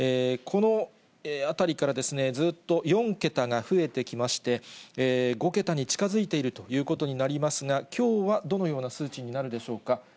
このあたりから、ずっと４桁が増えてきまして、５桁に近づいているということになりますが、きょうはどのような数値になるでしょうか。